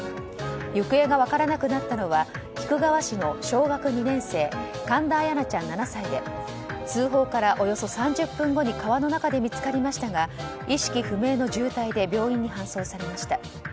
行方が分からなくなったのは菊川市の小学２年生神田彩陽奈ちゃん、７歳で通報から、およそ３０分後に川の中で見つかりましたが意識不明の重体で病院に搬送されました。